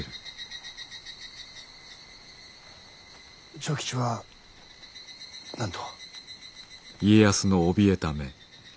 長吉は何と？